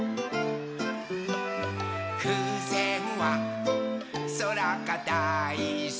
「ふうせんはそらがだいすき」